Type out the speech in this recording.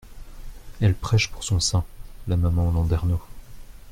Elle prêche pour son saint, la maman Landernau.